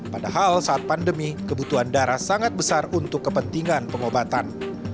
padahal saat pandemi kebutuhan darah sangat besar untuk kepentingan pengobatan